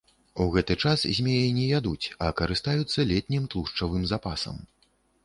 У гэты час змеі не ядуць, а карыстаюцца летнім тлушчавым запасам.